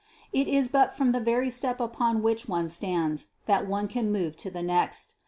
It is but from the very step upon which one stands that one can move to the next.